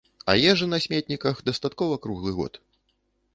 А ежы на сметніках дастаткова круглы год.